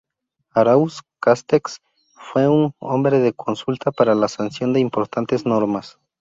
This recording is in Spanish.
Arauz Castex fue un hombre de consulta para la sanción de importantes normas.